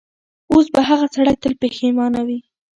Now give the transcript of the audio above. اوس به هغه سړی تل پښېمانه وي.